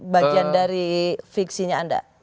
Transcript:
bagian dari fiksinya anda